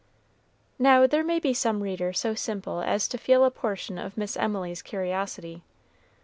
Now, there may be some reader so simple as to feel a portion of Miss Emily's curiosity.